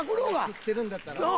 吸ってるんだったら。